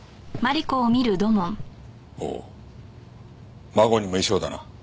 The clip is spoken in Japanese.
おお馬子にも衣装だな。